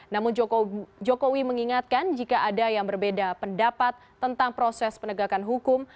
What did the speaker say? namun jokowi mengingatkan jika ada yang berbeda pendapat tentang proses penegakan hukum